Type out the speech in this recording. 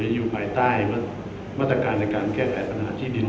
อยู่ภายใต้มาตรการในการแก้ไขปัญหาที่ดิน